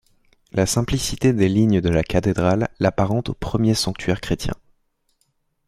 La simplicité des lignes de la cathédrale l'apparente aux premiers sanctuaires chrétiens.